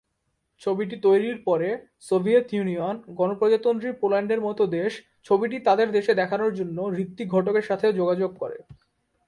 ছবিটি তৈরির পরে, সোভিয়েত ইউনিয়ন, গণপ্রজাতন্ত্রী পোল্যান্ডের মতো দেশ ছবিটি তাঁদের দেশে দেখানোর জন্য ঋত্বিক ঘটকের সাথে যোগাযোগ করে।